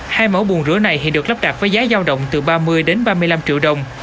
hai mẫu buồn rửa này hiện được lắp đặt với giá giao động từ ba mươi đến ba mươi năm triệu đồng